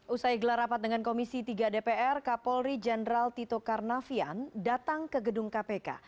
usai gelar rapat dengan komisi tiga dpr kapolri jenderal tito karnavian datang ke gedung kpk